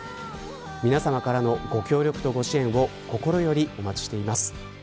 皆さまからのご協力とご支援を心よりお待ちしています。